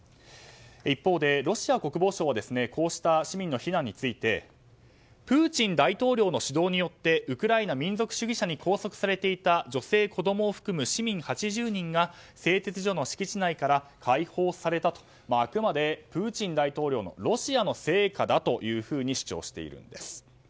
一方で、ロシア国防省はこうした市民の避難についてプーチン大統領の主導によってウクライナ民族主義者に拘束されていた女性、子供を含む市民８０人が製鉄所の敷地内から解放されたとあくまで、プーチン大統領のロシアの成果だというふうに主張しているんです。